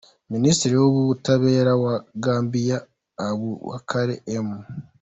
Minisitiri w’Ubutabera wa Gambia, Abubacarr M.